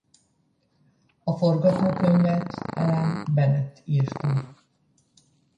A forgatókönyvet Alan Bennett írta.